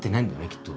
きっと。